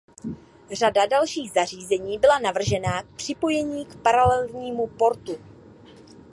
Řada dalších zařízení byla navržená k připojení k paralelním portu.